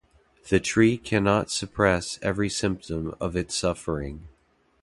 The tree cannot suppress every symptom of its suffering.